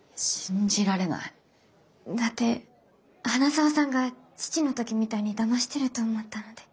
だって花澤さんが父の時みたいにだましてると思ったので。